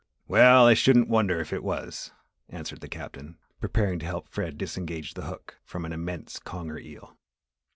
"We ll, I shouldn't wonder if it was," answered the Captain, preparing to help Fred disengage the hook from an immense conger eel.